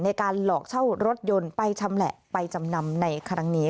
ในการหลอกเช่ารถยนต์ไปชำแหละไปจำนำในครั้งนี้